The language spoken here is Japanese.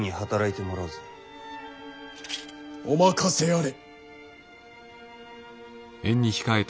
お任せあれ。